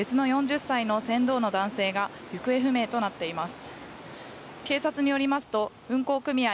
別の４０歳の船頭の男性が行方不明となっています。